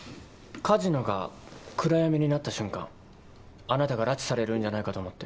カジノが暗闇になった瞬間あなたが拉致されるんじゃないかと思って。